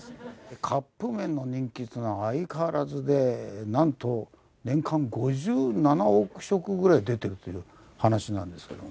カップ麺の人気っていうのは相変わらずでなんと年間５７億食ぐらい出てるという話なんですけども。